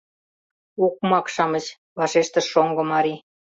— Окмак-шамыч, — вашештыш шоҥго марий.